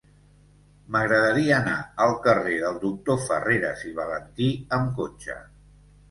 M'agradaria anar al carrer del Doctor Farreras i Valentí amb cotxe.